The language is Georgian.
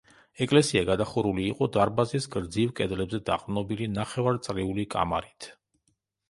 ეკლესია გადახურული იყო დარბაზის გრძივ კედლებზე დაყრდნობილი ნახევარწრიული კამარით.